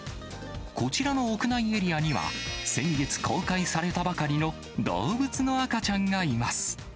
こちらの屋内エリアには、先月公開されたばかりの動物の赤ちゃんがいます。